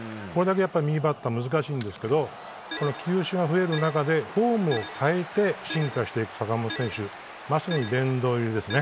右バッターは難しいんですが球種が増える中でフォームを変えて進化していく坂本選手、殿堂入りですね。